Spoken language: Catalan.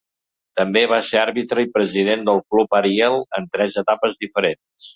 També va ser àrbitre i president del Club Ariel en tres etapes diferents.